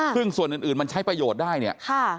ซึ่งส่วนอื่นมันใช้ประโยชน์ได้เนี่ย